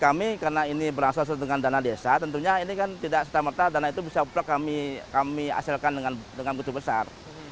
kami karena ini berasal asal dengan dana desa tentunya ini kan tidak setamata dana itu bisa kita hasilkan dengan begitu besar